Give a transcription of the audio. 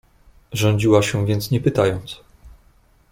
"Rządziła się więc nie pytając..."